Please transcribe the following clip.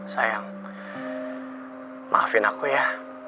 sayang maafin aku ya